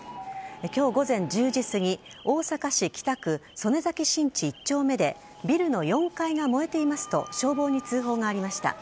今日午前１０時すぎ大阪市北区曽根崎新地１丁目でビルの４階が燃えていますと消防に通報がありました。